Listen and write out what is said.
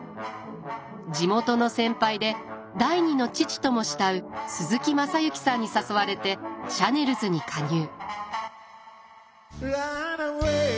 地元の先輩で第二の父とも慕う鈴木雅之さんに誘われてシャネルズに加入。